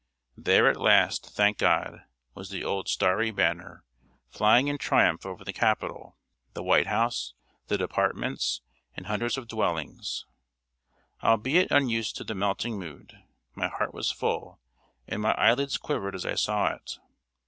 There, at last, thank God! was the old Starry Banner, flying in triumph over the Capitol, the White House, the departments, and hundreds of dwellings. Albeit unused to the melting mood, my heart was full, and my eyelids quivered as I saw it.